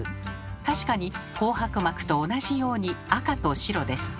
確かに紅白幕と同じように赤と白です。